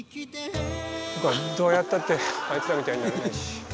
僕はどうやったってアイツらみたいになれないし。